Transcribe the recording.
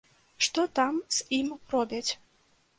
Што там з ім робяць?